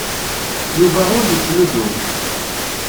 Yuba ur yettnuddum.